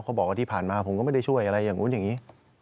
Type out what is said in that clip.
เขาบอกว่าที่ผ่านมาผมก็ไม่ได้ช่วยอะไรอย่างนู้นอย่างนี้